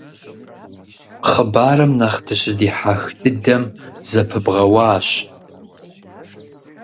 Хъыбарым нэхъ дыщыдихьэх дыдэм зэпыбгъэуащ.